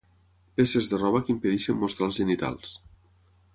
Peces de roba que impedeixen mostrar els genitals.